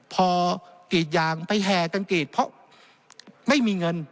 พอกรีดยางไปแห่กันกรีดเพราะไม่มีเงิน